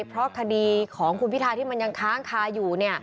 เพราะคดีของคุณพิทาที่มันยังค้างคาอยู่